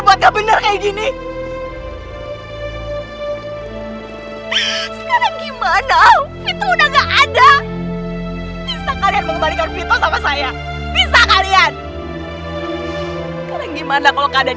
buah pertanyaan saya kenapa kalian